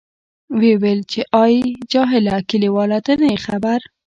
ویې ویل، چې آی جاهله کلیواله ته نه یې خبر.